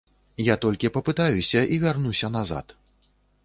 Я толькі папытаюся і вярнуся назад.